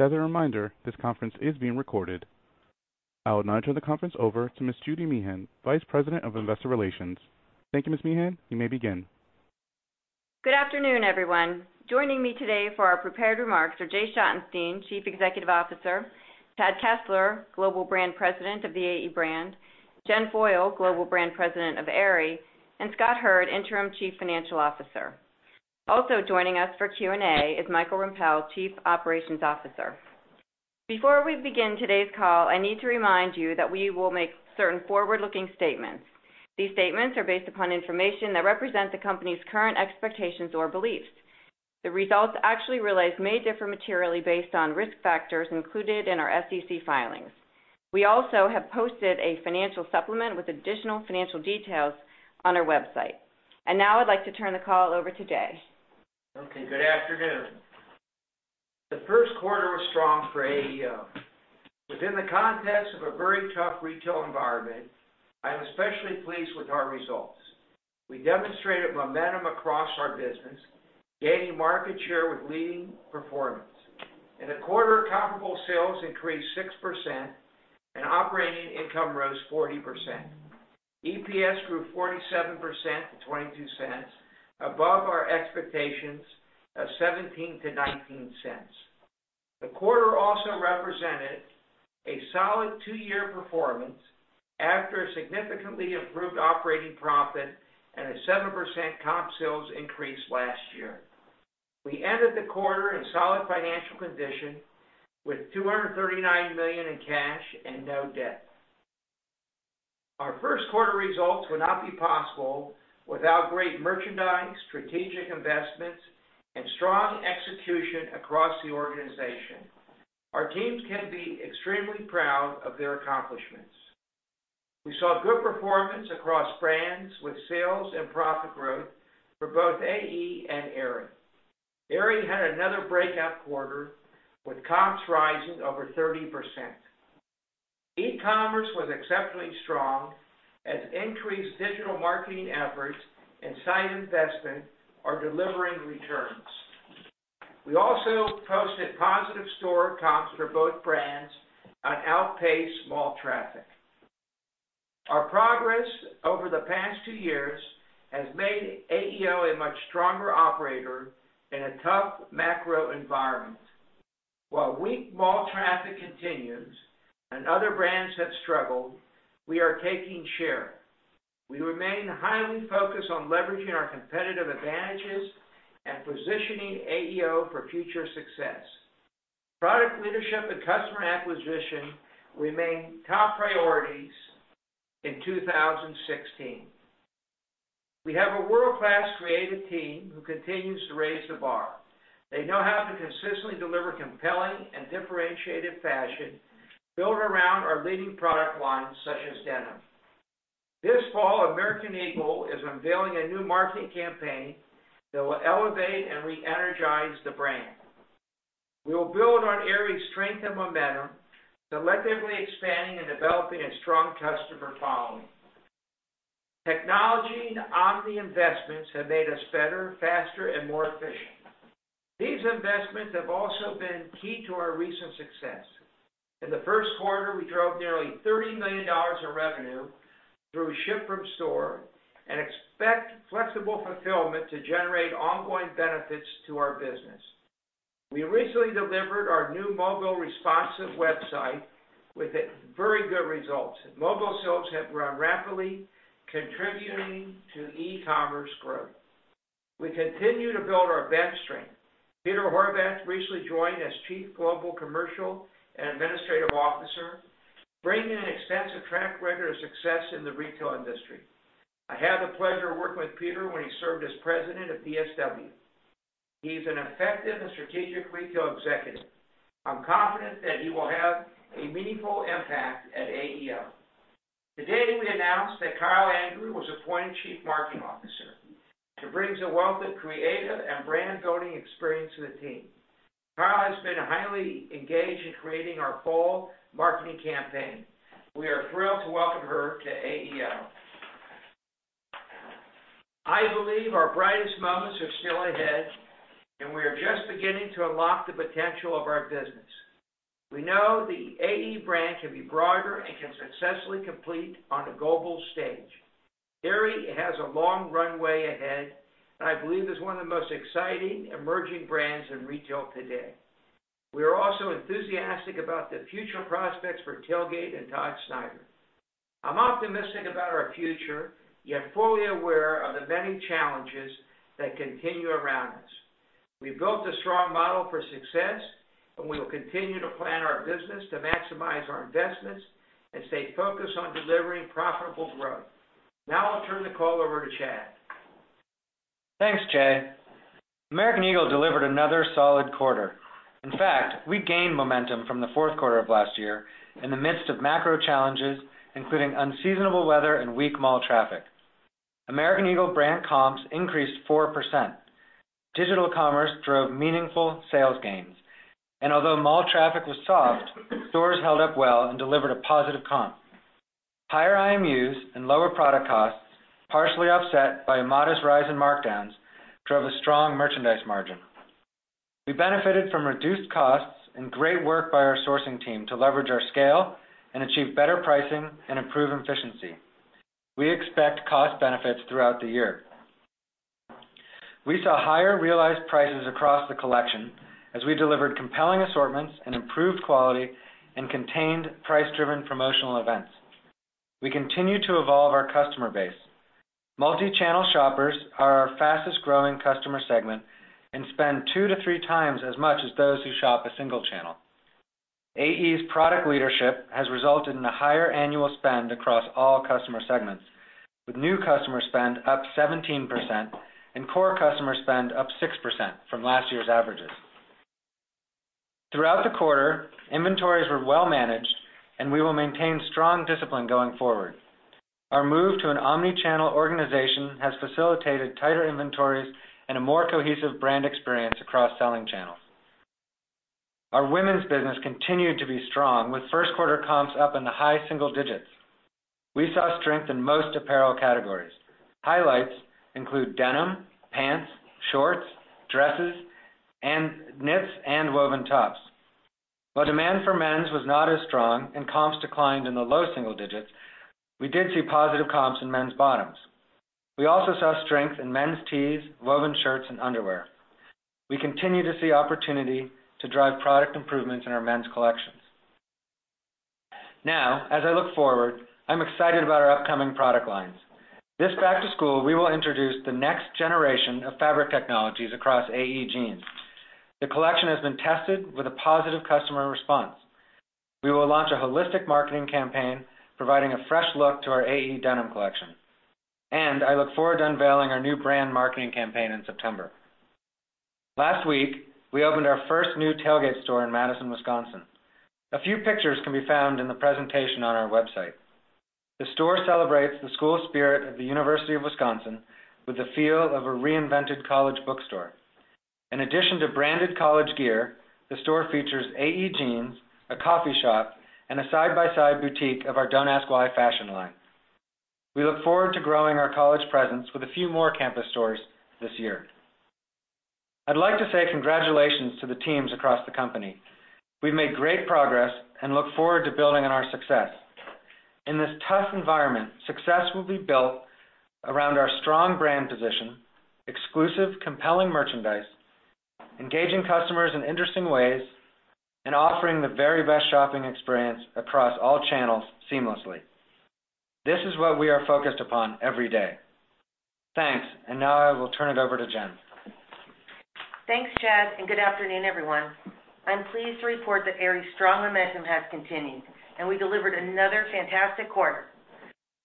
As a reminder, this conference is being recorded. I will now turn the conference over to Ms. Judy Meehan, Vice President of Investor Relations. Thank you, Ms. Meehan. You may begin. Good afternoon, everyone. Joining me today for our prepared remarks are Jay Schottenstein, Chief Executive Officer, Chad Kessler, Global Brand President of the AE brand, Jennifer Foyle, Global Brand President of Aerie, and Scott Hurd, Interim Chief Financial Officer. Also joining us for Q&A is Michael Rempell, Chief Operations Officer. Before we begin today's call, I need to remind you that we will make certain forward-looking statements. These statements are based upon information that represents the company's current expectations or beliefs. The results actually realized may differ materially based on risk factors included in our SEC filings. We also have posted a financial supplement with additional financial details on our website. Now I'd like to turn the call over to Jay. Okay, good afternoon. The first quarter was strong for AEO. Within the context of a very tough retail environment, I am especially pleased with our results. We demonstrated momentum across our business, gaining market share with leading performance. In the quarter, comparable sales increased 6%, and operating income rose 40%. EPS grew 47% to $0.22, above our expectations of $0.17-$0.19. The quarter also represented a solid two-year performance after a significantly improved operating profit and a 7% comp sales increase last year. We ended the quarter in solid financial condition with $239 million in cash and no debt. Our first quarter results would not be possible without great merchandise, strategic investments, and strong execution across the organization. Our teams can be extremely proud of their accomplishments. We saw good performance across brands with sales and profit growth for both AE and Aerie. Aerie had another breakout quarter with comps rising over 30%. E-commerce was exceptionally strong as increased digital marketing efforts and site investment are delivering returns. We also posted positive store comps for both brands on outpaced mall traffic. Our progress over the past two years has made AEO a much stronger operator in a tough macro environment. While weak mall traffic continues and other brands have struggled, we are taking share. We remain highly focused on leveraging our competitive advantages and positioning AEO for future success. Product leadership and customer acquisition remain top priorities in 2016. We have a world-class creative team who continues to raise the bar. They know how to consistently deliver compelling and differentiated fashion built around our leading product lines, such as denim. This fall, American Eagle is unveiling a new marketing campaign that will elevate and re-energize the brand. We will build on Aerie's strength and momentum, selectively expanding and developing a strong customer following. Technology and omni investments have made us better, faster, and more efficient. These investments have also been key to our recent success. In the first quarter, we drove nearly $30 million in revenue through ship from store and expect flexible fulfillment to generate ongoing benefits to our business. We recently delivered our new mobile-responsive website with very good results. Mobile sales have grown rapidly, contributing to e-commerce growth. We continue to build our bench strength. Peter Horvath recently joined as Chief Global Commercial and Administrative Officer, bringing an extensive track record of success in the retail industry. I had the pleasure of working with Peter when he served as President of DSW. He's an effective and strategic retail executive. I'm confident that he will have a meaningful impact at AEO. Today, we announced that Kyle Andrew was appointed Chief Marketing Officer. She brings a wealth of creative and brand-building experience to the team. Kyle has been highly engaged in creating our fall marketing campaign. We are thrilled to welcome her to AEO. I believe our brightest moments are still ahead, and we are just beginning to unlock the potential of our business. We know the AE brand can be broader and can successfully compete on a global stage. Aerie has a long runway ahead and I believe is one of the most exciting emerging brands in retail today. We are also enthusiastic about the future prospects for Tailgate and Todd Snyder. I'm optimistic about our future, yet fully aware of the many challenges that continue around us. We've built a strong model for success, and we will continue to plan our business to maximize our investments and stay focused on delivering profitable growth. Now I'll turn the call over to Chad. Thanks, Jay. American Eagle delivered another solid quarter. In fact, we gained momentum from the fourth quarter of last year in the midst of macro challenges, including unseasonable weather and weak mall traffic. American Eagle brand comps increased 4%. Digital commerce drove meaningful sales gains, and although mall traffic was soft, stores held up well and delivered a positive comp. Higher IMUs and lower product costs, partially offset by a modest rise in markdowns, drove a strong merchandise margin. We benefited from reduced costs and great work by our sourcing team to leverage our scale and achieve better pricing and improve efficiency. We expect cost benefits throughout the year. We saw higher realized prices across the collection as we delivered compelling assortments and improved quality and contained price-driven promotional events. We continue to evolve our customer base. Multi-channel shoppers are our fastest-growing customer segment and spend two to three times as much as those who shop a single channel. AE's product leadership has resulted in a higher annual spend across all customer segments, with new customer spend up 17% and core customer spend up 6% from last year's averages. Throughout the quarter, inventories were well managed, and we will maintain strong discipline going forward. Our move to an omni-channel organization has facilitated tighter inventories and a more cohesive brand experience across selling channels. Our women's business continued to be strong with first quarter comps up in the high single digits. We saw strength in most apparel categories. Highlights include denim, pants, shorts, dresses, and knits and woven tops. While demand for men's was not as strong and comps declined in the low single digits, we did see positive comps in men's bottoms. We also saw strength in men's tees, woven shirts, and underwear. We continue to see opportunity to drive product improvements in our men's collections. As I look forward, I'm excited about our upcoming product lines. This back to school, we will introduce the next generation of fabric technologies across AE jeans. The collection has been tested with a positive customer response. We will launch a holistic marketing campaign providing a fresh look to our AE denim collection, and I look forward to unveiling our new brand marketing campaign in September. Last week, we opened our first new Tailgate store in Madison, Wisconsin. A few pictures can be found in the presentation on our website. The store celebrates the school spirit of the University of Wisconsin with the feel of a reinvented college bookstore. In addition to branded college gear, the store features AE jeans, a coffee shop, and a side-by-side boutique of our Don't Ask Why fashion line. We look forward to growing our college presence with a few more campus stores this year. I'd like to say congratulations to the teams across the company. We've made great progress and look forward to building on our success. In this tough environment, success will be built around our strong brand position, exclusive, compelling merchandise, engaging customers in interesting ways, and offering the very best shopping experience across all channels seamlessly. This is what we are focused upon every day. Thanks. Now I will turn it over to Jen. Thanks, Chad. Good afternoon, everyone. I'm pleased to report that Aerie's strong momentum has continued, and we delivered another fantastic quarter.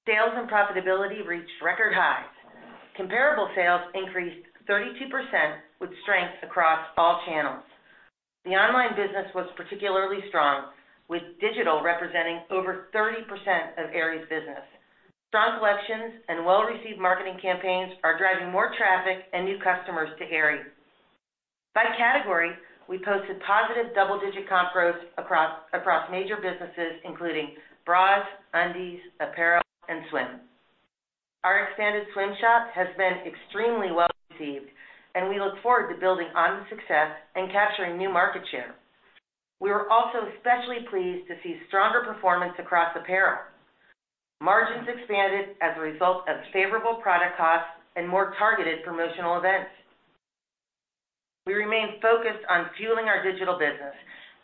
Sales and profitability reached record highs. Comparable sales increased 32% with strength across all channels. The online business was particularly strong, with digital representing over 30% of Aerie's business. Strong collections and well-received marketing campaigns are driving more traffic and new customers to Aerie. By category, we posted positive double-digit comp growth across major businesses, including bras, undies, apparel, and swim. Our expanded swim shop has been extremely well received, and we look forward to building on the success and capturing new market share. We were also especially pleased to see stronger performance across apparel. Margins expanded as a result of favorable product costs and more targeted promotional events. We remain focused on fueling our digital business,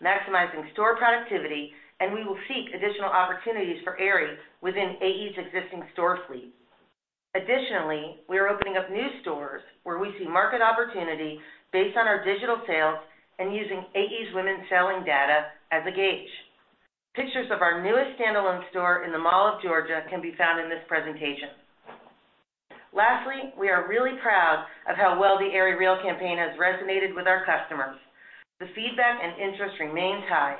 maximizing store productivity, and we will seek additional opportunities for Aerie within AE's existing store fleet. Additionally, we are opening up new stores where we see market opportunity based on our digital sales and using AE's women's selling data as a gauge. Pictures of our newest standalone store in the Mall of Georgia can be found in this presentation. Lastly, we are really proud of how well the Aerie REAL campaign has resonated with our customers. The feedback and interest remains high.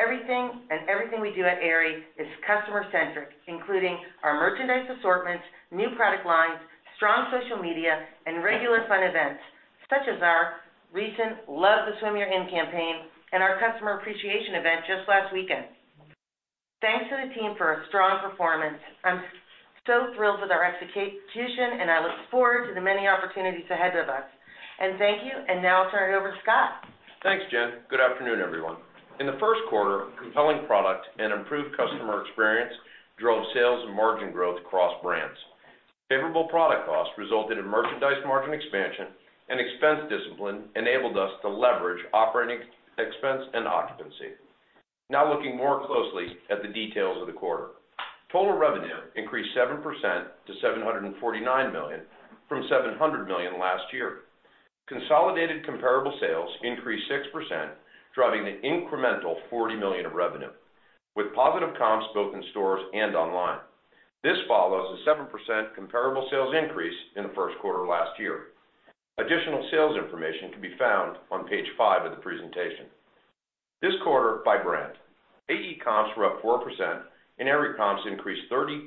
Everything we do at Aerie is customer-centric, including our merchandise assortments, new product lines, strong social media, and regular fun events, such as our recent Love the Swim You're In campaign and our customer appreciation event just last weekend. Thanks to the team for a strong performance. I'm so thrilled with our execution, and I look forward to the many opportunities ahead of us. Thank you, and now I'll turn it over to Scott. Thanks, Jen. Good afternoon, everyone. In the first quarter, compelling product and improved customer experience drove sales and margin growth across brands. Favorable product costs resulted in merchandise margin expansion, and expense discipline enabled us to leverage operating expense and occupancy. Now looking more closely at the details of the quarter. Total revenue increased 7% to $749 million from $700 million last year. Consolidated comparable sales increased 6%, driving an incremental $40 million of revenue with positive comps both in stores and online. This follows a 7% comparable sales increase in the first quarter of last year. Additional sales information can be found on page five of the presentation. This quarter by brand, AE comps were up 4% and Aerie comps increased 32%.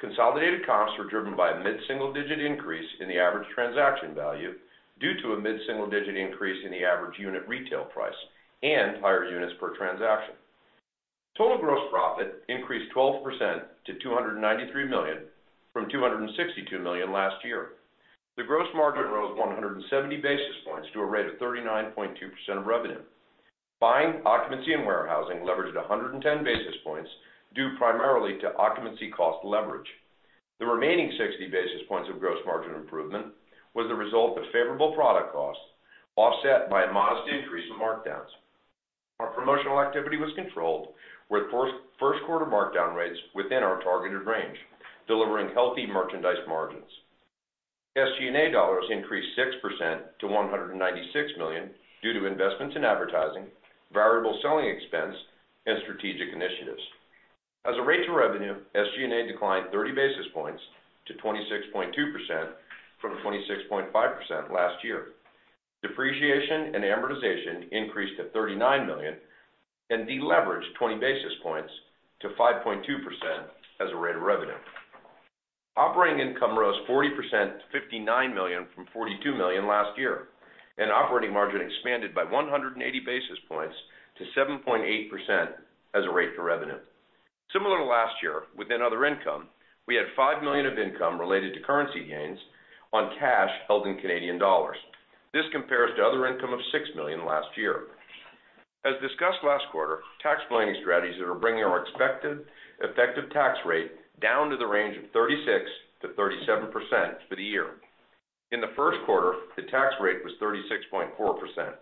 Consolidated comps were driven by a mid-single-digit increase in the average transaction value due to a mid-single-digit increase in the average unit retail price and higher units per transaction. Total gross profit increased 12% to $293 million from $262 million last year. The gross margin rose 170 basis points to a rate of 39.2% of revenue. Buying occupancy and warehousing leveraged 110 basis points, due primarily to occupancy cost leverage. The remaining 60 basis points of gross margin improvement was the result of favorable product costs offset by a modest increase in markdowns. Our promotional activity was controlled with first quarter markdown rates within our targeted range, delivering healthy merchandise margins. SG&A dollars increased 6% to $196 million due to investments in advertising, variable selling expense, and strategic initiatives. As a rate to revenue, SG&A declined 30 basis points to 26.2% from 26.5% last year. Depreciation and amortization increased to $39 million and de-leveraged 20 basis points to 5.2% as a rate of revenue. Operating income rose 40% to $59 million from $42 million last year, and operating margin expanded by 180 basis points to 7.8% as a rate to revenue. Similar to last year, within other income, we had 5 million of income related to currency gains on cash held in Canadian dollars. This compares to other income of $6 million last year. As discussed last quarter, tax planning strategies are bringing our expected effective tax rate down to the range of 36%-37% for the year. In the first quarter, the tax rate was 36.4%.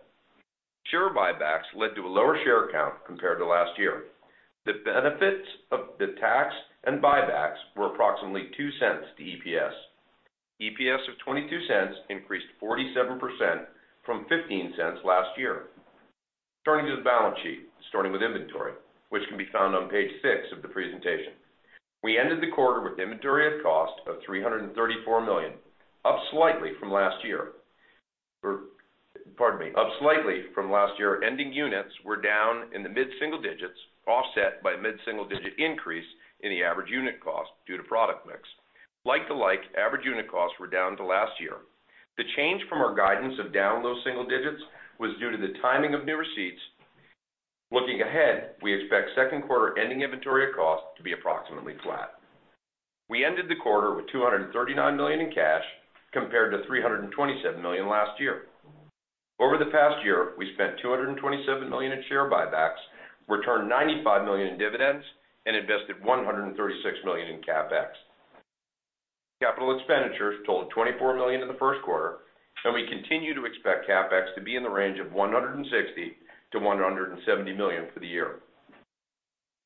Share buybacks led to a lower share count compared to last year. The benefits of the tax and buybacks were approximately $0.02 to EPS. EPS of $0.22 increased 47% from $0.15 last year. Turning to the balance sheet, starting with inventory, which can be found on page six of the presentation. We ended the quarter with inventory at cost of $334 million, up slightly from last year. Ending units were down in the mid-single digits, offset by mid-single-digit increase in the average unit cost due to product mix. Like to like, average unit costs were down to last year. The change from our guidance of down low single digits was due to the timing of new receipts. Looking ahead, we expect second quarter ending inventory of cost to be approximately flat. We ended the quarter with $239 million in cash compared to $327 million last year. Over the past year, we spent $227 million in share buybacks, returned $95 million in dividends, and invested $136 million in CapEx. Capital expenditures totaled $24 million in the first quarter, and we continue to expect CapEx to be in the range of $160 million-$170 million for the year.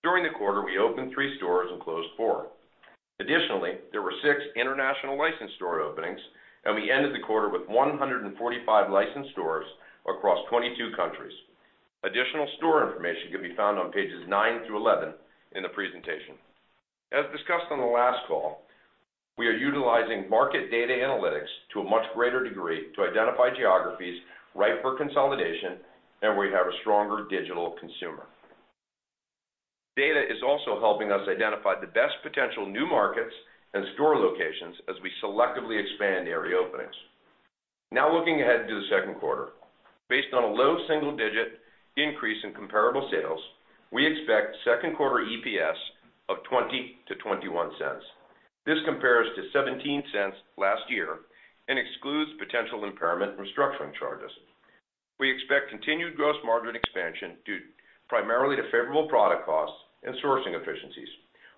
During the quarter, we opened three stores and closed four. Additionally, there were six international licensed store openings, and we ended the quarter with 145 licensed stores across 22 countries. Additional store information can be found on pages nine through 11 in the presentation. As discussed on the last call, we are utilizing market data analytics to a much greater degree to identify geographies ripe for consolidation and where we have a stronger digital consumer. Data is also helping us identify the best potential new markets and store locations as we selectively expand Aerie openings. Looking ahead to the second quarter. Based on a low double-digit increase in comparable sales, we expect second quarter EPS of $0.20-$0.21. This compares to $0.17 last year and excludes potential impairment restructuring charges. We expect continued gross margin expansion due primarily to favorable product costs and sourcing efficiencies.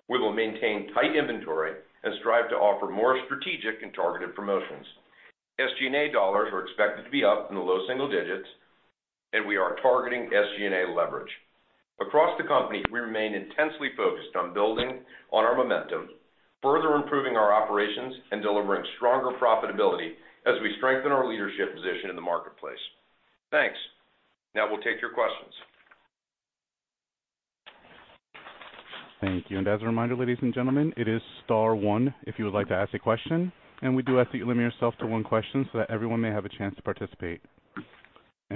We will maintain tight inventory and strive to offer more strategic and targeted promotions. SG&A dollars are expected to be up in the low single digits, and we are targeting SG&A leverage. Across the company, we remain intensely focused on building on our momentum, further improving our operations, and delivering stronger profitability as we strengthen our leadership position in the marketplace. Thanks. We'll take your questions. Thank you. As a reminder, ladies and gentlemen, it is star one if you would like to ask a question, and we do ask that you limit yourself to one question so that everyone may have a chance to participate.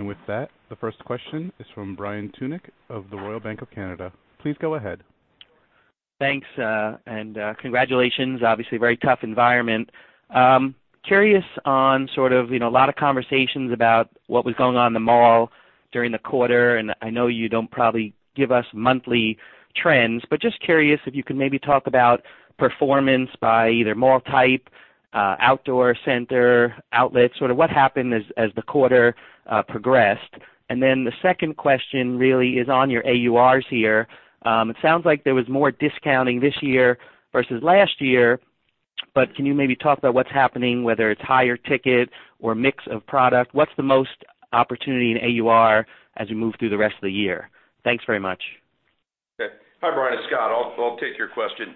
With that, the first question is from Brian Tunick of the Royal Bank of Canada. Please go ahead. Thanks, congratulations. Obviously, very tough environment. Curious on a lot of conversations about what was going on in the mall during the quarter, and I know you don't probably give us monthly trends, but just curious if you could maybe talk about performance by either mall type, outdoor, center, outlet, sort of what happened as the quarter progressed. The second question really is on your AURs here. It sounds like there was more discounting this year versus last year, but can you maybe talk about what's happening, whether it's higher ticket or mix of product? What's the most opportunity in AUR as we move through the rest of the year? Thanks very much. Okay. Hi, Brian. It's Scott. I'll take your question.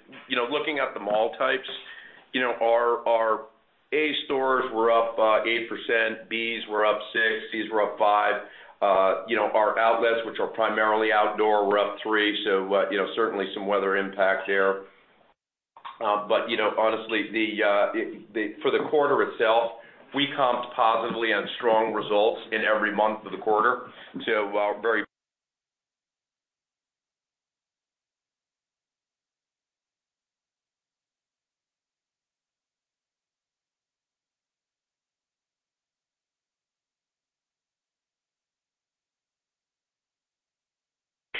Looking at the mall types, our A stores were up 8%, Bs were up 6%, Cs were up 5%. Our outlets, which are primarily outdoor, were up 3%, certainly some weather impact there. Honestly, for the quarter itself, we comped positively on strong results in every month of the quarter.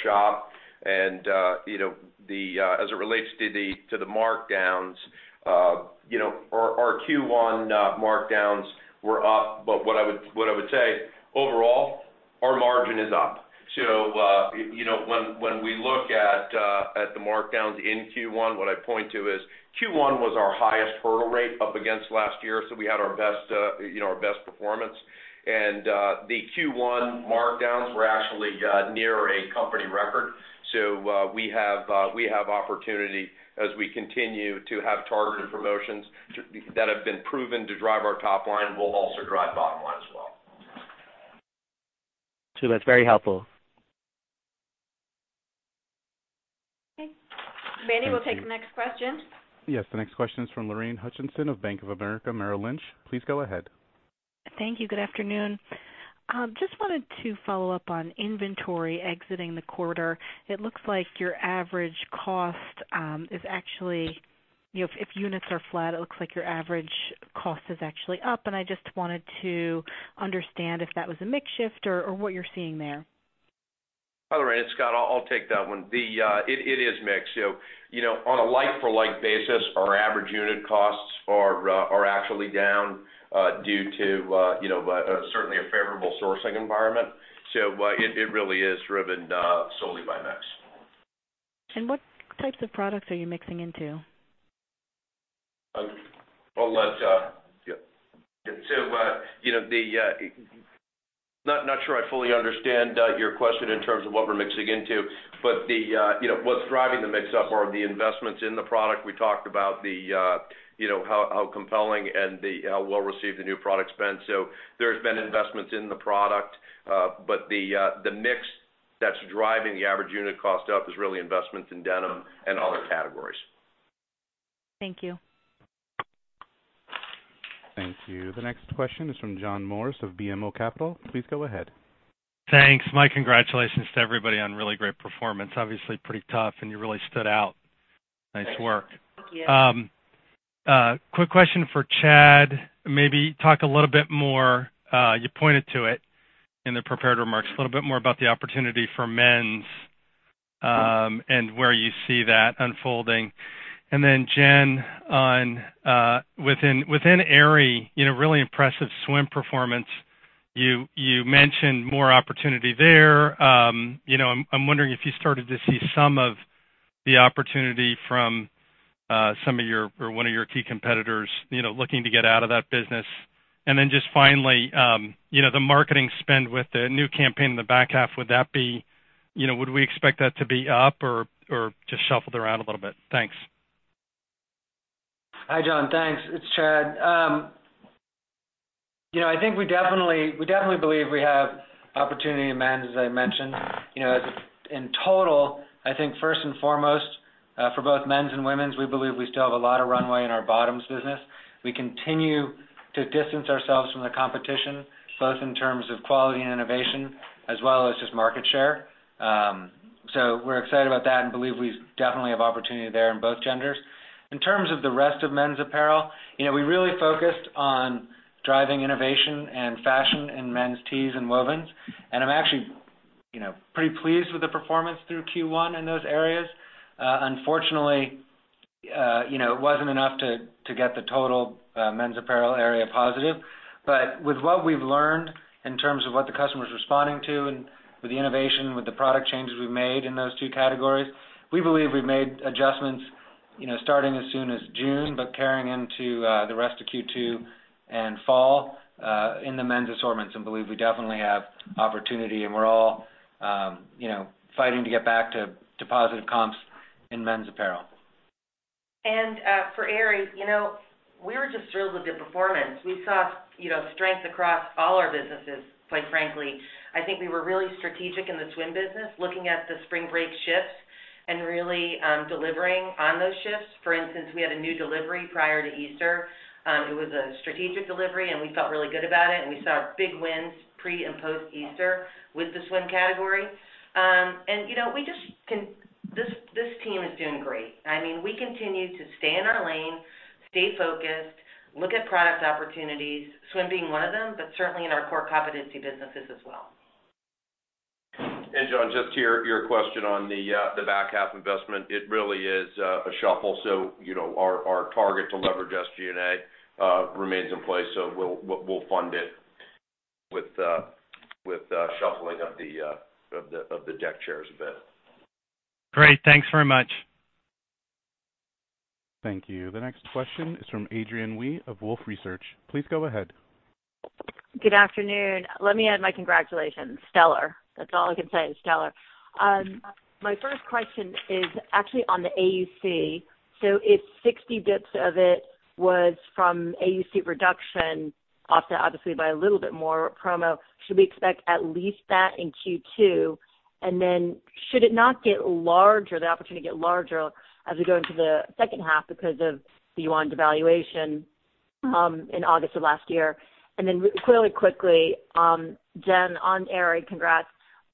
As it relates to the markdowns, our Q1 markdowns were up. What I would say, overall, our margin is up. When we look at the markdowns in Q1, what I point to is Q1 was our highest hurdle rate up against last year, so we had our best performance. The Q1 markdowns were actually near a company record. We have opportunity as we continue to have targeted promotions that have been proven to drive our top line will also drive bottom line as well. That's very helpful. Okay. Manny, we'll take the next question. Yes. The next question is from Lorraine Hutchinson of Bank of America Merrill Lynch. Please go ahead. Thank you. Good afternoon. Just wanted to follow up on inventory exiting the quarter. If units are flat, it looks like your average cost is actually up, and I just wanted to understand if that was a mix shift or what you're seeing there. Hi, Lorraine. It's Scott. I'll take that one. It is mixed. On a like-for-like basis, our average unit costs are actually down due to certainly a favorable sourcing environment. It really is driven solely by mix. What types of products are you mixing into? Not sure I fully understand your question in terms of what we're mixing into. What's driving the mix up are the investments in the product. We talked about how compelling and how well-received the new product's been. There's been investments in the product. The mix that's driving the average unit cost up is really investments in denim and other categories. Thank you. Thank you. The next question is from John Morris of BMO Capital. Please go ahead. Thanks. My congratulations to everybody on really great performance. Obviously pretty tough, and you really stood out. Nice work. Thanks. Thank you. Quick question for Chad. Maybe talk a little bit more, you pointed to it in the prepared remarks, a little bit more about the opportunity for men's and where you see that unfolding. Then Jen, within Aerie, really impressive swim performance. You mentioned more opportunity there. I'm wondering if you started to see some of the opportunity from one of your key competitors looking to get out of that business. Then just finally, the marketing spend with the new campaign in the back half, would we expect that to be up or just shuffled around a little bit? Thanks. Hi, John. Thanks. It's Chad. I think we definitely believe we have opportunity in men's, as I mentioned. In total, I think first and foremost, for both men's and women's, we believe we still have a lot of runway in our bottoms business. We continue to distance ourselves from the competition, both in terms of quality and innovation as well as just market share. We're excited about that and believe we definitely have opportunity there in both genders. In terms of the rest of men's apparel, we really focused on driving innovation and fashion in men's tees and wovens, and I'm actually pretty pleased with the performance through Q1 in those areas. Unfortunately, it wasn't enough to get the total men's apparel area positive. With what we've learned in terms of what the customer's responding to and with the innovation, with the product changes we've made in those two categories, we believe we've made adjustments starting as soon as June, but carrying into the rest of Q2 and fall in the men's assortments and believe we definitely have opportunity, and we're all fighting to get back to positive comps in men's apparel. For Aerie, we were just thrilled with the performance. We saw strength across all our businesses, quite frankly. I think we were really strategic in the swim business, looking at the spring break shifts and really delivering on those shifts. For instance, we had a new delivery prior to Easter. It was a strategic delivery, and we felt really good about it, and we saw big wins pre and post Easter with the swim category. This team is doing great. We continue to stay in our lane, stay focused, look at product opportunities, swim being one of them, but certainly in our core competency businesses as well. John, just to your question on the back half investment, it really is a shuffle. Our target to leverage SG&A remains in place, so we'll fund it with shuffling of the deck chairs a bit. Great. Thanks very much. Thank you. The next question is from Adrienne Yih of Wolfe Research. Please go ahead. Good afternoon. Let me add my congratulations. Stellar. That's all I can say is stellar. My first question is actually on the AUC. If 60 basis points of it was from AUC reduction, offset obviously by a little bit more promo, should we expect at least that in Q2? Should it not get larger, the opportunity get larger as we go into the second half because of the CNY devaluation in August of last year? Really quickly, Jen, on Aerie, congrats.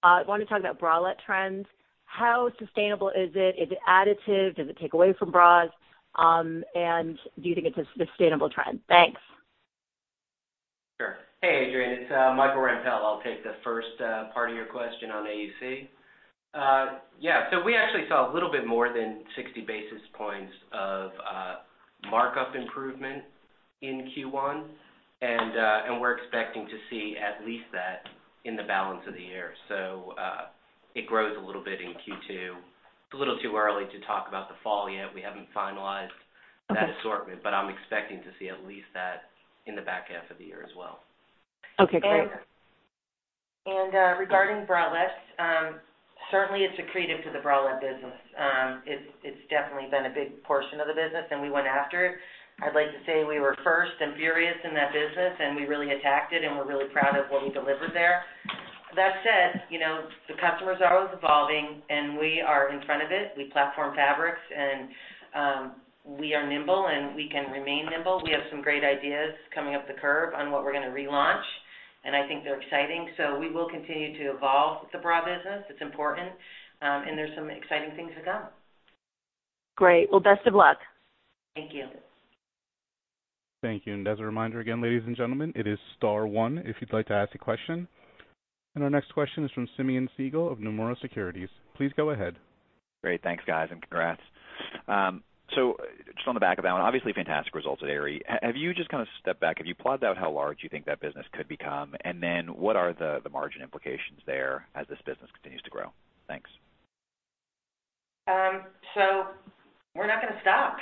I want to talk about bralette trends. How sustainable is it? Is it additive? Does it take away from bras? Do you think it's a sustainable trend? Thanks. Sure. Hey, Adrienne, it's Michael Rempell. I'll take the first part of your question on AUC. We actually saw a little bit more than 60 basis points of markup improvement in Q1, and we're expecting to see at least that in the balance of the year. It grows a little bit in Q2. It's a little too early to talk about the fall yet. We haven't finalized that assortment. Okay I'm expecting to see at least that in the back half of the year as well. Okay, great. Regarding bralettes, certainly it's accretive to the bralette business. It's definitely been a big portion of the business, and we went after it. I'd like to say we were first and furious in that business, and we really attacked it, and we're really proud of what we delivered there. That said, the customer is always evolving, and we are in front of it. We platform fabrics, and we are nimble, and we can remain nimble. We have some great ideas coming up the curve on what we're going to relaunch, and I think they're exciting. We will continue to evolve the bra business. It's important. There's some exciting things to come. Great. Well, best of luck. Thank you. Thank you. As a reminder again, ladies and gentlemen, it is star one if you'd like to ask a question. Our next question is from Simeon Siegel of Nomura Securities. Please go ahead. Great. Thanks, guys, and congrats. Just on the back of that one, obviously fantastic results at Aerie. Have you just kind of stepped back? Have you plotted out how large you think that business could become? What are the margin implications there as this business continues to grow? Thanks. We're not going to stop.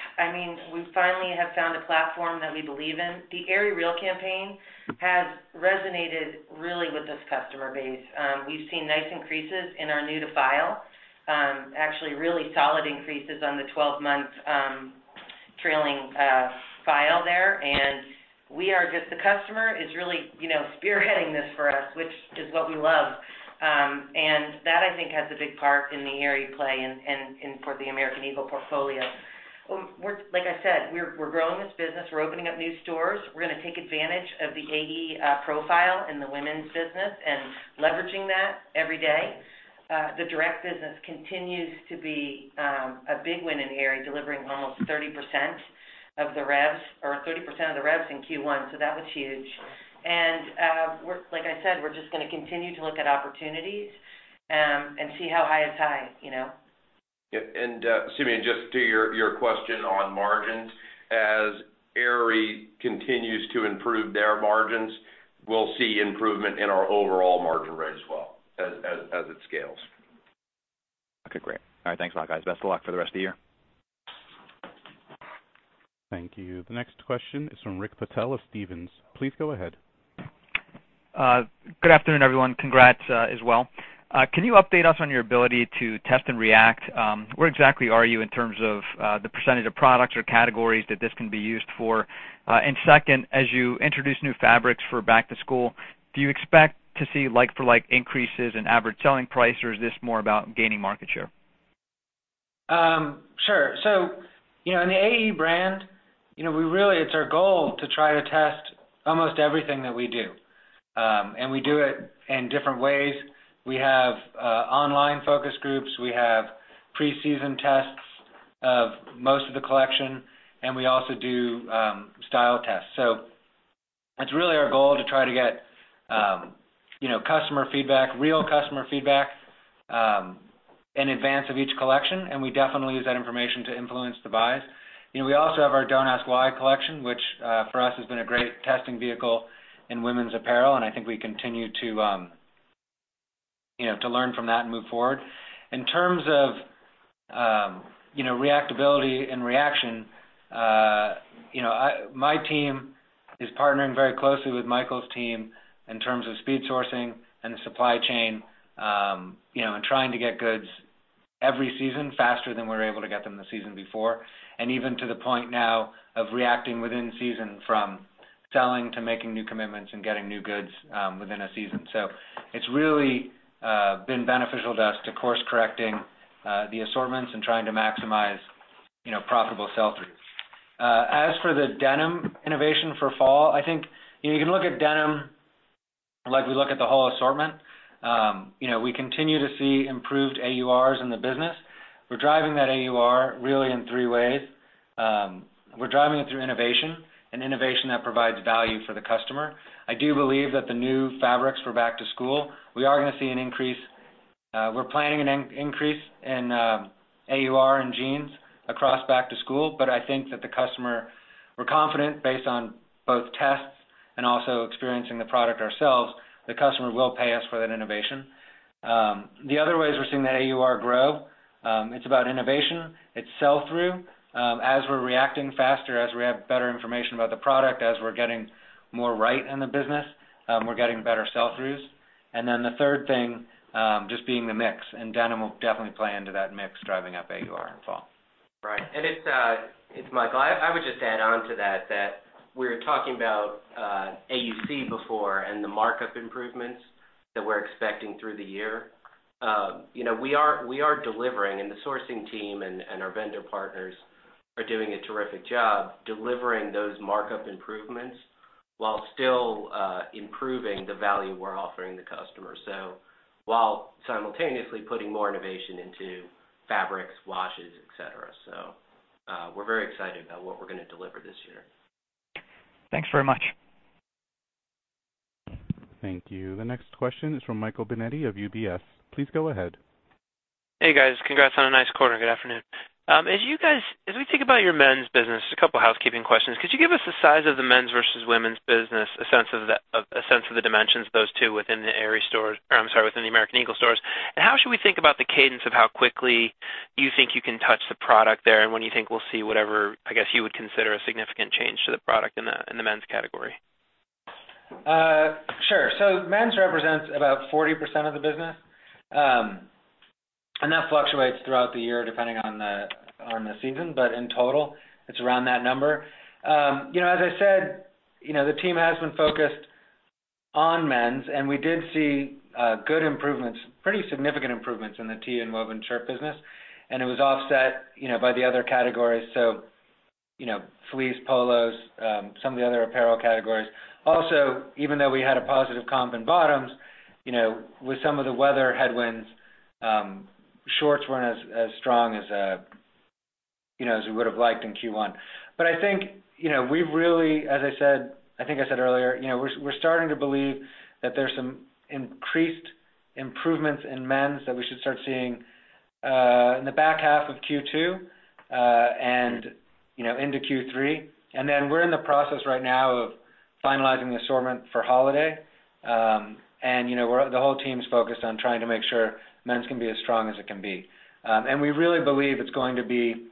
We finally have found a platform that we believe in. The Aerie REAL campaign has resonated really with this customer base. We've seen nice increases in our new to file. Actually, really solid increases on the 12 months trailing file there. The customer is really spearheading this for us, which is what we love. That I think has a big part in the Aerie play and for the American Eagle portfolio. Like I said, we're growing this business. We're opening up new stores. We're going to take advantage of the AE profile in the women's business and leveraging that every day. The direct business continues to be a big win in the area, delivering almost 30% of the revs or 30% of the revs in Q1, so that was huge. Like I said, we're just going to continue to look at opportunities, and see how high is high. Yeah. Simeon, just to your question on margins. As Aerie continues to improve their margins, we'll see improvement in our overall margin rate as well as it scales. Okay, great. All right. Thanks a lot, guys. Best of luck for the rest of the year. Thank you. The next question is from Rick Patel of Stephens. Please go ahead. Good afternoon, everyone. Congrats as well. Can you update us on your ability to test and react? Where exactly are you in terms of the percentage of products or categories that this can be used for? Second, as you introduce new fabrics for back to school, do you expect to see like for like increases in average selling price or is this more about gaining market share? Sure. In the AE brand, it's our goal to try to test almost everything that we do. We do it in different ways. We have online focus groups. We have pre-season tests of most of the collection, we also do style tests. That's really our goal, to try to get customer feedback, real customer feedback, in advance of each collection, we definitely use that information to influence the buys. We also have our Don't Ask Why collection, which for us has been a great testing vehicle in women's apparel, I think we continue to learn from that and move forward. In terms of reactability and reaction, my team is partnering very closely with Michael's team in terms of speed sourcing and the supply chain, trying to get goods every season faster than we were able to get them the season before. Even to the point now of reacting within season from selling to making new commitments and getting new goods within a season. It's really been beneficial to us to course correct the assortments trying to maximize profitable sell-throughs. As for the denim innovation for fall, I think you can look at denim like we look at the whole assortment. We continue to see improved AURs in the business. We're driving that AUR really in three ways. We're driving it through innovation, an innovation that provides value for the customer. I do believe that the new fabrics for back to school, we are going to see an increase. We're planning an increase in AUR in jeans across back to school, but I think that the customer, we're confident based on both tests and also experiencing the product ourselves, the customer will pay us for that innovation. The other ways we're seeing that AUR grow, it's about innovation, it's sell-through. As we're reacting faster, as we have better information about the product, as we're getting more right in the business, we're getting better sell-throughs. Then the third thing, just being the mix, denim will definitely play into that mix, driving up AUR in fall. Right. It's Michael. I would just add on to that we're talking about AUC before and the markup improvements that we're expecting through the year. We are delivering, the sourcing team and our vendor partners are doing a terrific job delivering those markup improvements while still improving the value we're offering the customer. While simultaneously putting more innovation into fabrics, washes, et cetera. We're very excited about what we're going to deliver this year. Thanks very much. Thank you. The next question is from Michael Binetti of UBS. Please go ahead. Hey, guys. Congrats on a nice quarter and good afternoon. As we think about your men's business, just a couple housekeeping questions. Could you give us the size of the men's versus women's business, a sense of the dimensions of those two within the Aerie stores-- or I'm sorry, within the American Eagle stores. How should we think about the cadence of how quickly you think you can touch the product there, and when you think we'll see whatever, I guess, you would consider a significant change to the product in the men's category? Sure. Men's represents about 40% of the business. That fluctuates throughout the year, depending on the season. In total, it's around that number. As I said, the team has been focused on men's, we did see good improvements, pretty significant improvements in the tee and woven shirt business, and it was offset by the other categories. Fleece polos, some of the other apparel categories. Also, even though we had a positive comp in bottoms, with some of the weather headwinds, shorts weren't as strong as we would've liked in Q1. I think, we've really, as I said, I think I said earlier, we're starting to believe that there's some increased improvements in men's that we should start seeing in the back half of Q2, and into Q3. We're in the process right now of finalizing the assortment for holiday. The whole team's focused on trying to make sure men's can be as strong as it can be. We really believe it's going to be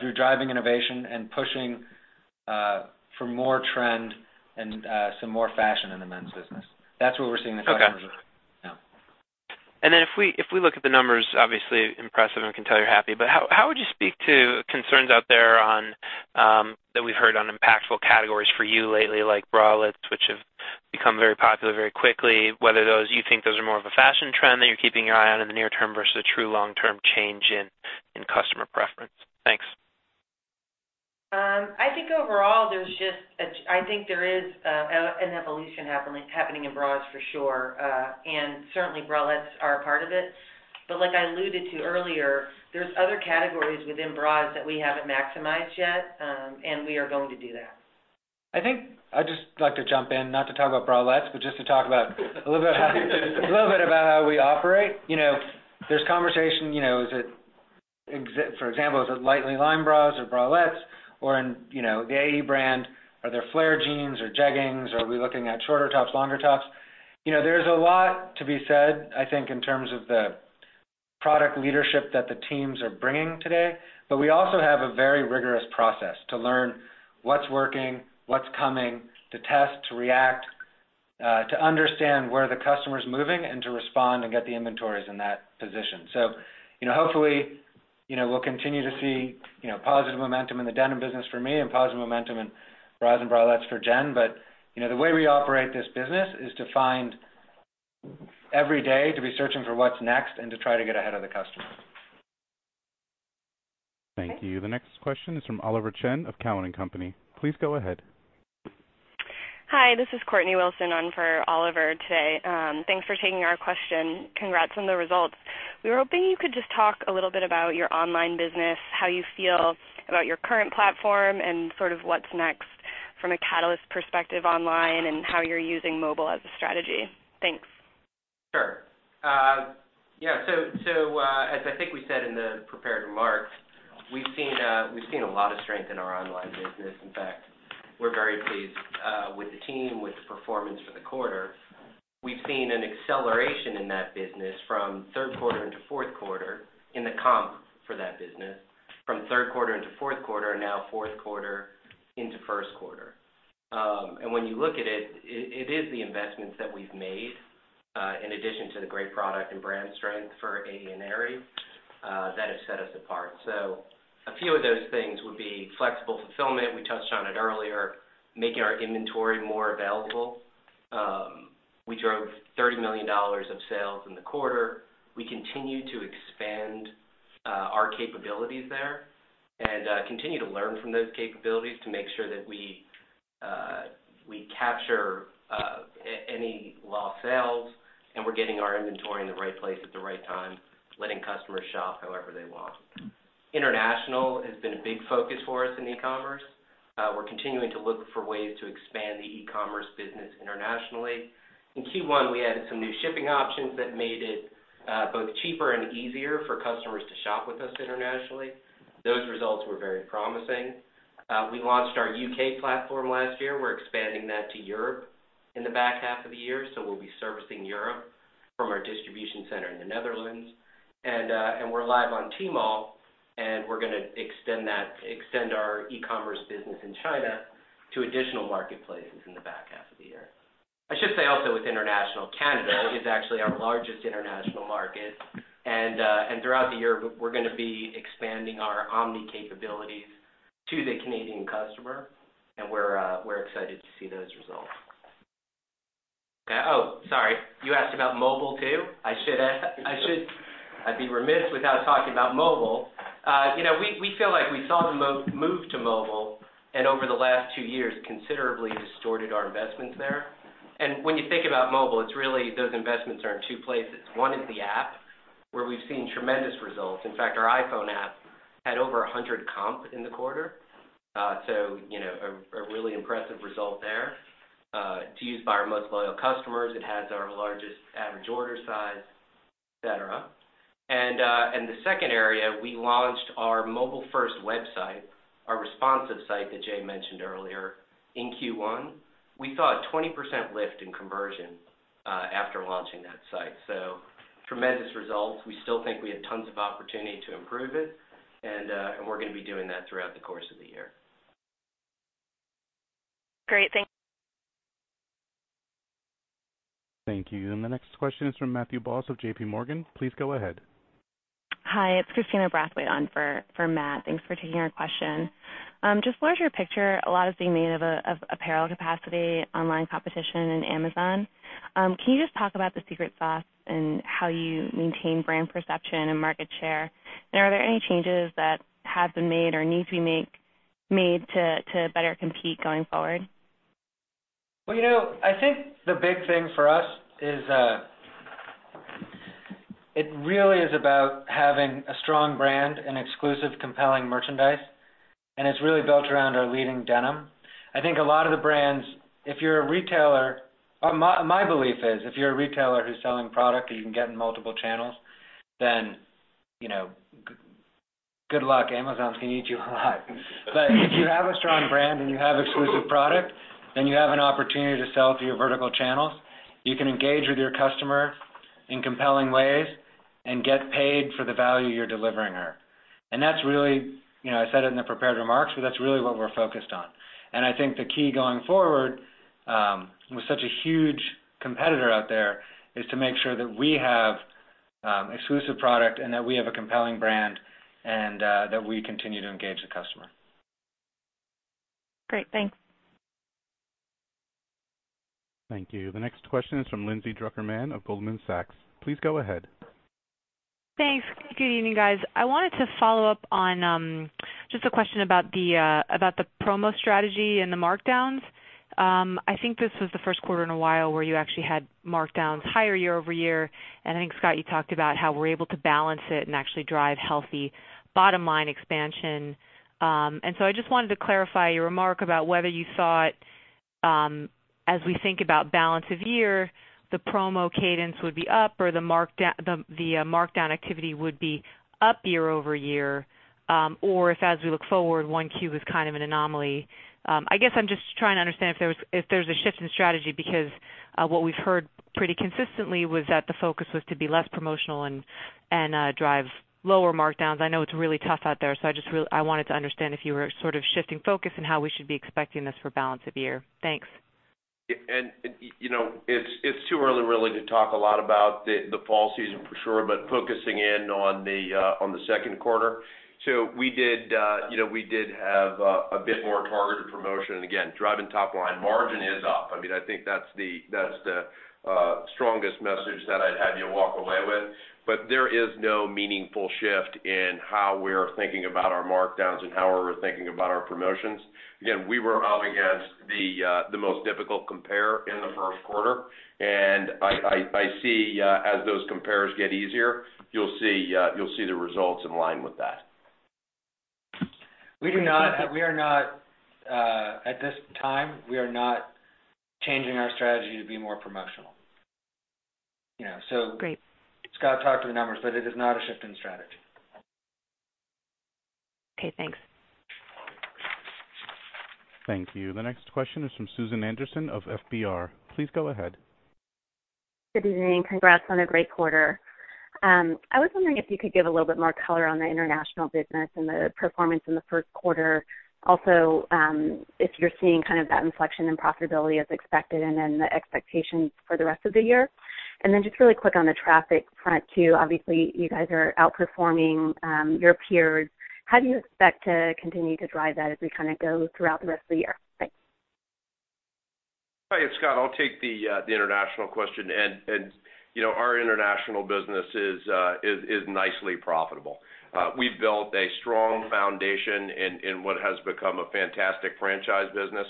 through driving innovation and pushing for more trend and some more fashion in the men's business. That's where we're seeing the customers. Okay. Yeah. If we look at the numbers, obviously impressive, and we can tell you're happy. How would you speak to concerns out there that we've heard on impactful categories for you lately, like bralettes, which have become very popular very quickly, whether you think those are more of a fashion trend that you're keeping your eye on in the near term versus a true long-term change in customer preference. Thanks. I think overall, there's just an evolution happening in bras for sure. Certainly bralettes are a part of it. Like I alluded to earlier, there's other categories within bras that we haven't maximized yet. We are going to do that. I think I'd just like to jump in, not to talk about bralettes, but just to talk about a little bit about how we operate. There's conversation, for example, is it lightly lined bras or bralettes or in the AE brand, are there flare jeans or jeggings, or are we looking at shorter tops, longer tops? There's a lot to be said, I think, in terms of the product leadership that the teams are bringing today. We also have a very rigorous process to learn what's working, what's coming, to test, to react, to understand where the customer's moving, and to respond and get the inventories in that position. Hopefully, we'll continue to see positive momentum in the denim business for me and positive momentum in bras and bralettes for Jen. The way we operate this business is every day, to be searching for what's next and to try to get ahead of the customer. Thank you. The next question is from Oliver Chen of Cowen and Company. Please go ahead. Hi, this is Courtney Wilson on for Oliver today. Thanks for taking our question. Congrats on the results. We were hoping you could just talk a little bit about your online business, how you feel about your current platform, and sort of what's next from a catalyst perspective online and how you're using mobile as a strategy. Thanks. Sure. Yeah. As I think we said in the prepared remarks, we've seen a lot of strength in our online business. In fact, we're very pleased with the team, with the performance for the quarter. We've seen an acceleration in that business from third quarter into fourth quarter in the comp for that business, from third quarter into fourth quarter, and now fourth quarter into first quarter. When you look at it is the investments that we've made, in addition to the great product and brand strength for AE and Aerie, that have set us apart. A few of those things would be flexible fulfillment. We touched on it earlier, making our inventory more available. We drove $30 million of sales in the quarter. We continue to expand our capabilities there and continue to learn from those capabilities to make sure that we capture any lost sales, and we're getting our inventory in the right place at the right time, letting customers shop however they want. International has been a big focus for us in e-commerce. We're continuing to look for ways to expand the e-commerce business internationally. In Q1, we added some new shipping options that made it both cheaper and easier for customers to shop with us internationally. Those results were very promising. We launched our U.K. platform last year. We're expanding that to Europe in the back half of the year, so we'll be servicing Europe from our distribution center in the Netherlands. We're live on Tmall, and we're gonna extend our e-commerce business in China to additional marketplaces in the back half of the year. I should say also with international, Canada is actually our largest international market. Throughout the year, we're going to be expanding our omni capabilities to the Canadian customer, and we're excited to see those results. Oh, sorry. You asked about mobile too? I'd be remiss without talking about mobile. We feel like we saw the move to mobile and over the last two years, considerably distorted our investments there. When you think about mobile, those investments are in two places. One is the app, where we've seen tremendous results. In fact, our iPhone app had over 100 comp in the quarter. A really impressive result there. It's used by our most loyal customers. It has our largest average order size, et cetera. The second area, we launched our mobile-first website, our responsive site that Jay mentioned earlier, in Q1. We saw a 20% lift in conversion after launching that site. Tremendous results. We still think we have tons of opportunity to improve it. We're going to be doing that throughout the course of the year. Great. Thank you. The next question is from Matthew Boss of JPMorgan. Please go ahead. Hi, it's Christina Brathwaite on for Matt. Thanks for taking our question. Just what is your picture, a lot is being made of apparel capacity, online competition, and Amazon. Can you just talk about the secret sauce and how you maintain brand perception and market share? Are there any changes that have been made or need to be made to better compete going forward? Well, I think the big thing for us is it really is about having a strong brand and exclusive, compelling merchandise, and it's really built around our leading denim. My belief is, if you're a retailer who's selling product that you can get in multiple channels, then good luck. Amazon's going to eat you alive. If you have a strong brand and you have exclusive product, then you have an opportunity to sell to your vertical channels. You can engage with your customer in compelling ways and get paid for the value you're delivering her. I said it in the prepared remarks, but that's really what we're focused on. I think the key going forward, with such a huge competitor out there, is to make sure that we have exclusive product and that we have a compelling brand, and that we continue to engage the customer. Great. Thanks. Thank you. The next question is from Lindsay Drucker Mann of Goldman Sachs. Please go ahead. Thanks. Good evening, guys. I wanted to follow up on just a question about the promo strategy and the markdowns. I think this was the first quarter in a while where you actually had markdowns higher year-over-year. I think, Scott, you talked about how we're able to balance it and actually drive healthy bottom-line expansion. I just wanted to clarify your remark about whether you thought, as we think about balance of year, the promo cadence would be up, or the markdown activity would be up year-over-year. If as we look forward, 1Q was kind of an anomaly. I guess I'm just trying to understand if there's a shift in strategy because what we've heard pretty consistently was that the focus was to be less promotional and drive lower markdowns. I know it's really tough out there, I wanted to understand if you were sort of shifting focus and how we should be expecting this for balance of year. Thanks. It's too early really to talk a lot about the fall season for sure, focusing in on the 2Q. We did have a bit more targeted promotion. Again, driving top line. Margin is up. I think that's the strongest message that I'd have you walk away with. There is no meaningful shift in how we're thinking about our markdowns and how we're thinking about our promotions. Again, we were up against the most difficult compare in the 1Q, I see as those compares get easier, you'll see the results in line with that. At this time, we are not changing our strategy to be more promotional. Great. Scott talked to the numbers, it is not a shift in strategy. Okay, thanks. Thank you. The next question is from Susan Anderson of FBR. Please go ahead. Good evening. Congrats on a great quarter. I was wondering if you could give a little bit more color on the international business and the performance in the first quarter. Also, if you're seeing that inflection in profitability as expected, then the expectations for the rest of the year. Just really quick on the traffic front too. Obviously, you guys are outperforming your peers. How do you expect to continue to drive that as we go throughout the rest of the year? Thanks. Hi, it's Scott. I'll take the international question. Our international business is nicely profitable. We've built a strong foundation in what has become a fantastic franchise business.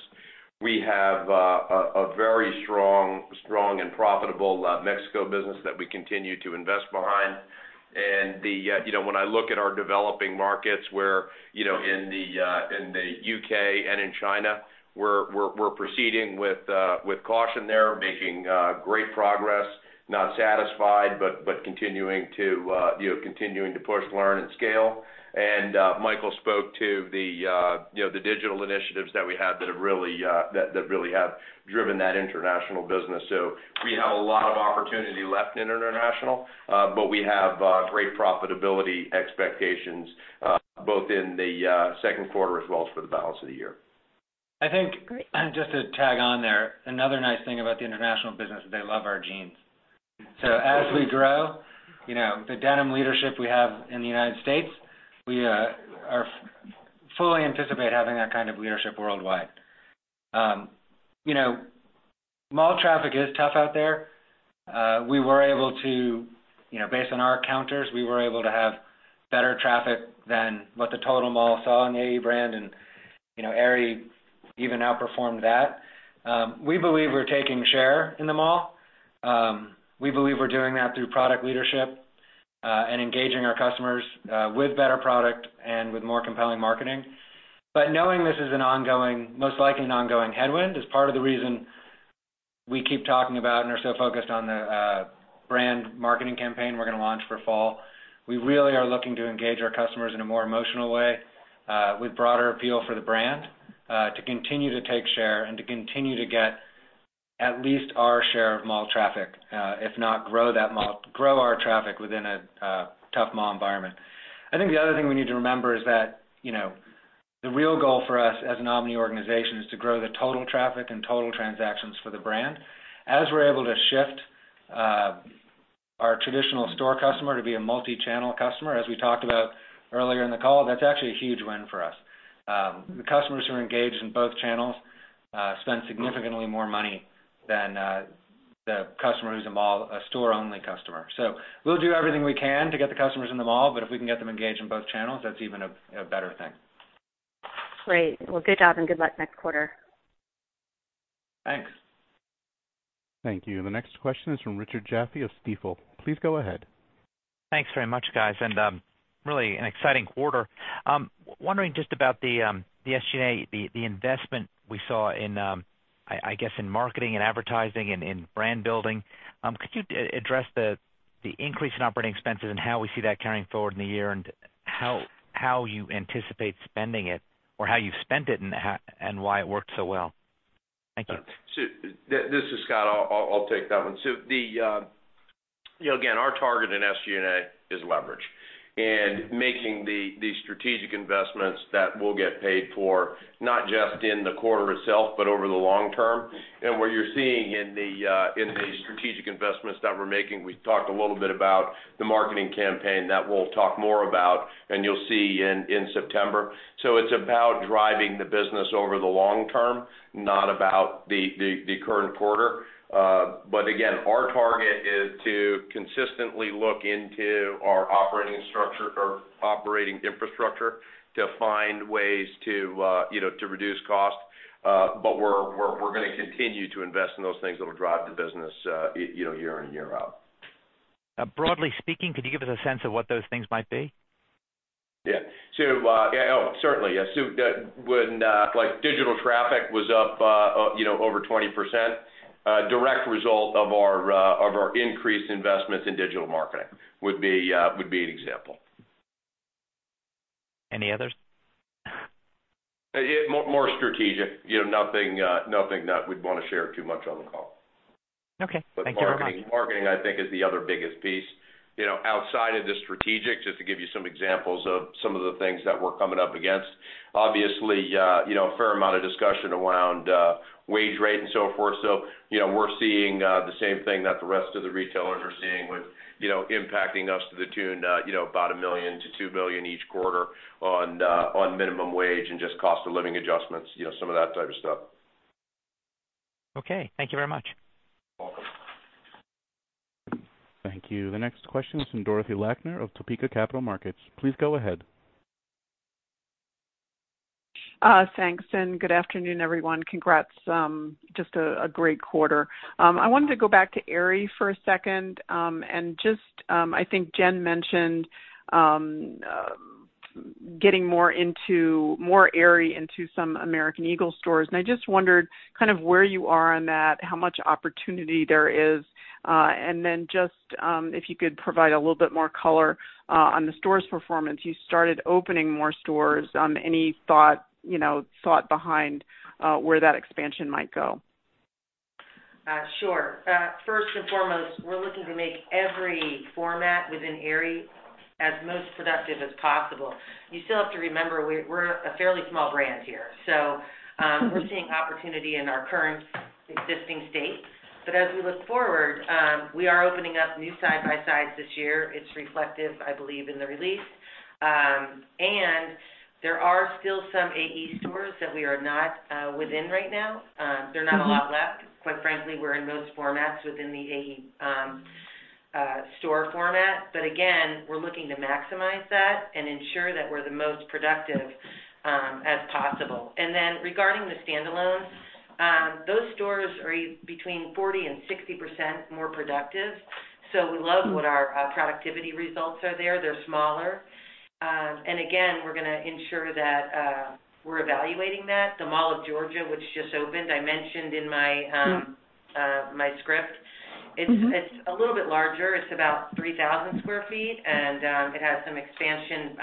We have a very strong and profitable Mexico business that we continue to invest behind. When I look at our developing markets in the U.K. and in China, we're proceeding with caution there. Making great progress. Not satisfied, but continuing to push, learn, and scale. Michael spoke to the digital initiatives that we have that really have driven that international business. We have a lot of opportunity left in international. We have great profitability expectations both in the second quarter as well as for the balance of the year. I think just to tag on there, another nice thing about the international business is they love our jeans. As we grow, the denim leadership we have in the United States, we fully anticipate having that kind of leadership worldwide. Mall traffic is tough out there. Based on our counters, we were able to have better traffic than what the total mall saw in the AE brand, and Aerie even outperformed that. We believe we're taking share in the mall. We believe we're doing that through product leadership and engaging our customers with better product and with more compelling marketing. Knowing this is most likely an ongoing headwind is part of the reason we keep talking about and are so focused on the brand marketing campaign we're going to launch for fall. We really are looking to engage our customers in a more emotional way with broader appeal for the brand to continue to take share and to continue to get at least our share of mall traffic, if not grow our traffic within a tough mall environment. I think the other thing we need to remember is that the real goal for us as an omni organization is to grow the total traffic and total transactions for the brand. As we're able to shift our traditional store customer to be a multi-channel customer, as we talked about earlier in the call, that's actually a huge win for us. The customers who are engaged in both channels spend significantly more money than the customer who's a store-only customer. We'll do everything we can to get the customers in the mall, but if we can get them engaged in both channels, that's even a better thing. Great. Well, good job, good luck next quarter. Thanks. Thank you. The next question is from Richard Jaffe of Stifel. Please go ahead. Thanks very much, guys. Really an exciting quarter. Wondering just about the SG&A, the investment we saw in marketing and advertising and in brand building. Could you address the increase in operating expenses and how we see that carrying forward in the year and how you anticipate spending it, or how you've spent it and why it worked so well? Thank you. This is Scott. I'll take that one. Again, our target in SG&A is leverage and making the strategic investments that will get paid for not just in the quarter itself, but over the long term. What you're seeing in the strategic investments that we're making, we talked a little bit about the marketing campaign that we'll talk more about and you'll see in September. It's about driving the business over the long term, not about the current quarter. Again, our target is to consistently look into our operating infrastructure to find ways to reduce cost. We're going to continue to invest in those things that'll drive the business year in, year out. Broadly speaking, could you give us a sense of what those things might be? Yeah. Certainly, yes. Like digital traffic was up over 20%, a direct result of our increased investments in digital marketing would be an example. Any others? More strategic. Nothing that we'd want to share too much on the call. Okay. Thank you very much. Marketing, I think, is the other biggest piece. Outside of the strategic, just to give you some examples of some of the things that we're coming up against. Obviously, a fair amount of discussion around wage rate and so forth. We're seeing the same thing that the rest of the retailers are seeing with impacting us to the tune about $1 million-$2 million each quarter on minimum wage and just cost of living adjustments, some of that type of stuff. Okay. Thank you very much. Welcome. Thank you. The next question is from Dorothy Lakner of Topeka Capital Markets. Please go ahead. Thanks. Good afternoon, everyone. Congrats. Just a great quarter. I wanted to go back to Aerie for a second. I think Jen mentioned getting more Aerie into some American Eagle stores. I just wondered where you are on that, how much opportunity there is. Then just if you could provide a little bit more color on the store's performance. You started opening more stores. Any thought behind where that expansion might go? Sure. First and foremost, we're looking to make every format within Aerie as most productive as possible. You still have to remember, we're a fairly small brand here. We're seeing opportunity in our current existing state. As we look forward, we are opening up new side-by-sides this year. It's reflective, I believe, in the release. There are still some AE stores that we are not within right now. There are not a lot left. Quite frankly, we're in most formats within the AE store format. Again, we're looking to maximize that and ensure that we're the most productive as possible. Then regarding the standalones, those stores are between 40%-60% more productive. We love what our productivity results are there. They're smaller. Again, we're going to ensure that we're evaluating that. The Mall of Georgia, which just opened, I mentioned in my script. It's a little bit larger. It's about 3,000 sq ft. It has some expansion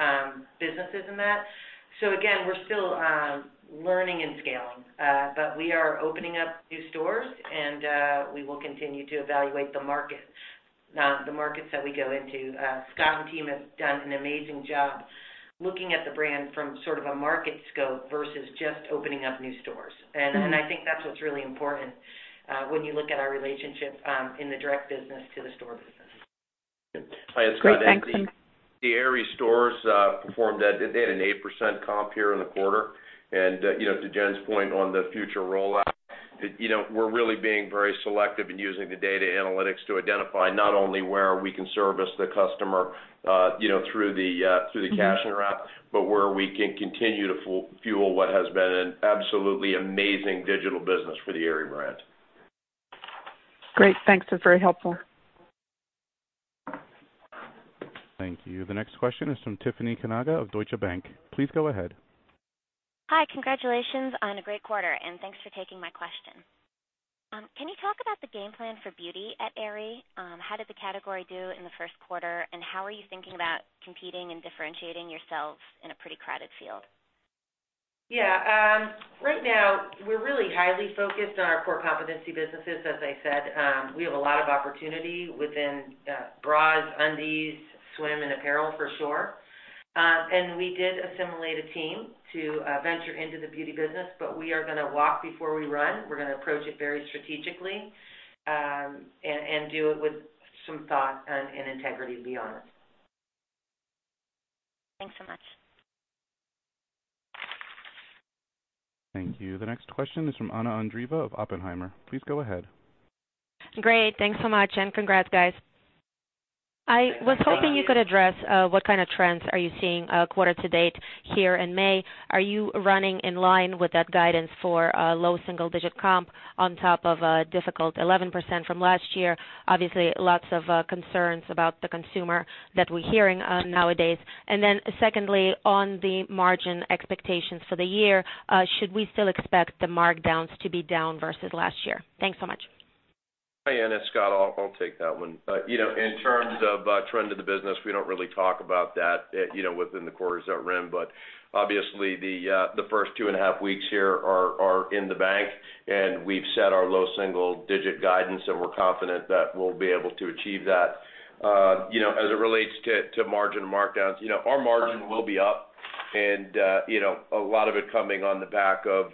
businesses in that. Again, we're still learning and scaling. We are opening up new stores. We will continue to evaluate the markets that we go into. Scott and team have done an amazing job looking at the brand from sort of a market scope versus just opening up new stores. I think that's what's really important when you look at our relationship in the direct business to the store business. Hi, it's Scott. Great. Thanks. The Aerie stores performed at an 8% comp here in the quarter. To Jen's point on the future rollout, we're really being very selective in using the data analytics to identify not only where we can service the customer through the cash and wrap, but where we can continue to fuel what has been an absolutely amazing digital business for the Aerie brand. Great. Thanks. That's very helpful. Thank you. The next question is from Tiffany Kanaga of Deutsche Bank. Please go ahead. Hi. Congratulations on a great quarter. Thanks for taking my question. Can you talk about the game plan for beauty at Aerie? How did the category do in the first quarter? How are you thinking about competing and differentiating yourselves in a pretty crowded field? Yeah. Right now, we're really highly focused on our core competency businesses. As I said, we have a lot of opportunity within bras, undies, swim, and apparel for sure. We did assimilate a team to venture into the beauty business. We are gonna walk before we run. We're gonna approach it very strategically. Do it with some thought and integrity, to be honest. Thanks so much. Thank you. The next question is from Anna Andreeva of Oppenheimer. Please go ahead. Great. Thanks so much, and congrats, guys. I was hoping you could address what kind of trends are you seeing quarter to date here in May. Are you running in line with that guidance for low single-digit comp on top of a difficult 11% from last year? Lots of concerns about the consumer that we're hearing nowadays. Secondly, on the margin expectations for the year, should we still expect the markdowns to be down versus last year? Thanks so much. Hi, Anna. It's Scott. I'll take that one. In terms of trend of the business, we don't really talk about that within the quarters at [RIM]. Obviously, the first two and a half weeks here are in the bank, and we've set our low single-digit guidance, and we're confident that we'll be able to achieve that. As it relates to margin markdowns, our margin will be up and a lot of it coming on the back of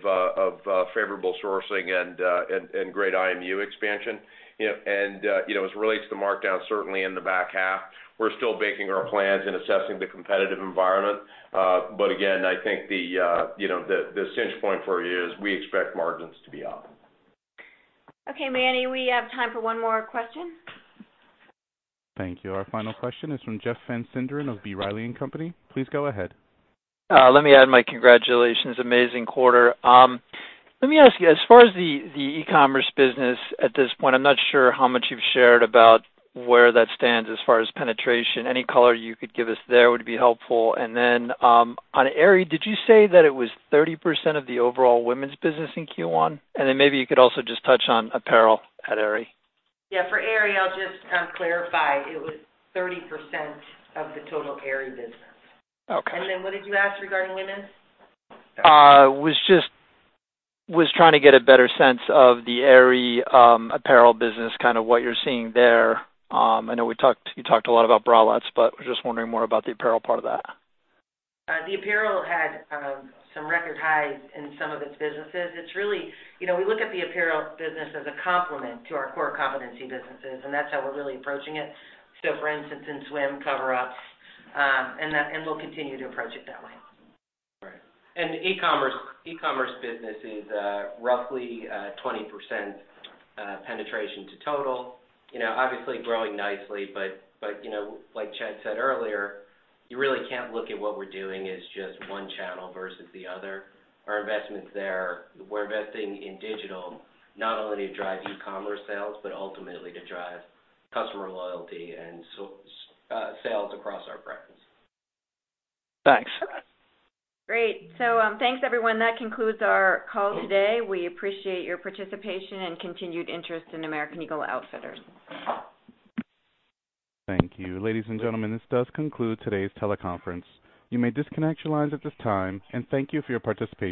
favorable sourcing and great IMU expansion. As it relates to markdown, certainly in the back half, we're still baking our plans and assessing the competitive environment. Again, I think the cinch point for you is we expect margins to be up. Okay, Manny, we have time for one more question. Thank you. Our final question is from Jeff Van Sinderen of B. Riley & Co.. Please go ahead. Let me add my congratulations. Amazing quarter. Let me ask you, as far as the e-commerce business at this point, I'm not sure how much you've shared about where that stands as far as penetration. Any color you could give us there would be helpful. On Aerie, did you say that it was 30% of the overall women's business in Q1? Maybe you could also just touch on apparel at Aerie. Yeah. For Aerie, I'll just clarify, it was 30% of the total Aerie business. Okay. What did you ask regarding women's? Was trying to get a better sense of the Aerie apparel business, what you're seeing there. I know you talked a lot about bralettes, but was just wondering more about the apparel part of that. The apparel had some record highs in some of its businesses. We look at the apparel business as a complement to our core competency businesses, and that's how we're really approaching it. For instance, in swim, coverups, and we'll continue to approach it that way. All right. The e-commerce business is roughly 20% penetration to total. Obviously growing nicely, but like Chad said earlier, you really can't look at what we're doing as just one channel versus the other. Our investments there, we're investing in digital not only to drive e-commerce sales, but ultimately to drive customer loyalty and sales across our brands. Thanks. Great. Thanks, everyone. That concludes our call today. We appreciate your participation and continued interest in American Eagle Outfitters. Thank you. Ladies and gentlemen, this does conclude today's teleconference. You may disconnect your lines at this time. Thank you for your participation.